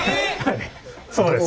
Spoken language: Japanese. そうです。